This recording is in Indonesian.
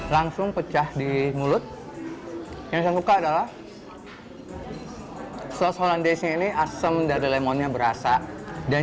langsung pecah di mulut yang saya suka adalah suasana daisnya ini asem dari lemonnya berasa dan